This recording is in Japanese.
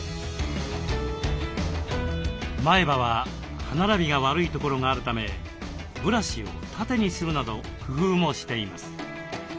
前歯は歯並びが悪い所があるためブラシを縦にするなど工夫もしています。